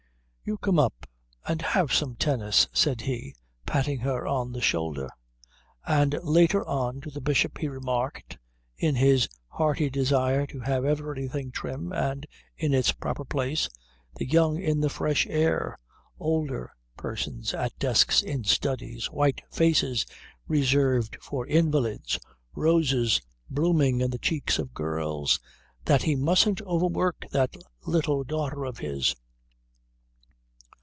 "You come up and have some tennis," he said, patting her on the shoulder. And later on to the Bishop he remarked, in his hearty desire to have everything trim and in its proper place, the young in the fresh air, older persons at desks in studies, white faces reserved for invalids, roses blooming in the cheeks of girls, that he mustn't overwork that little daughter of his.